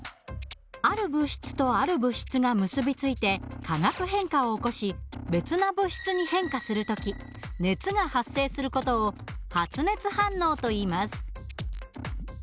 ある物質とある物質が結び付いて化学変化を起こし別な物質に変化する時熱が発生する事を発熱反応といいます。